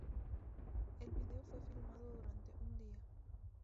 El video fue filmado durante un día.